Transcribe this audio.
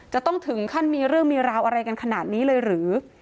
จะต้องถึงขั้นมีเรื่องมีราวอะไรกันขนาดนี้เลยหรือ